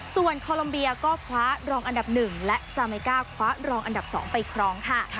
ส่วนโคลมเบียก็คว้ารองอันดับ๑และจาเมก้าคว้ารองอันดับ๒ไปครองค่ะ